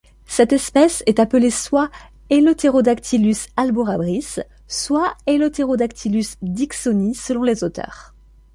Cette espèce est appelée soit Eleutherodactylus albolabris soit Eleutherodactylus dixoni selon les auteurs.